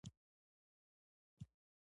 مرغان پکې راځي.